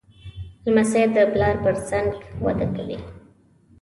لمسی د پلار تر څنګ وده کوي.